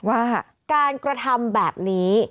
ว่าการกระทำแบบนี้